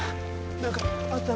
何かあったら